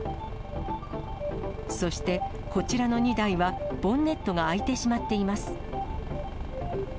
そしてこちらの２台は、ボンネットが開いてしまっています。